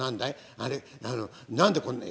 あの何でこんなに？」。